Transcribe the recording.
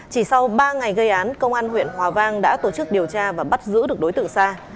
chỉ sau ba ngày gây án công an huyện hòa vang đã tổ chức điều tra và bắt giữ được đối tượng sa